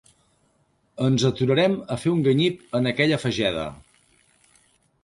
Ens aturarem a fer un ganyip en aquella fageda.